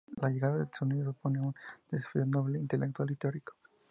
La llegada del sonido supone un desafío doble: intelectual y teórico.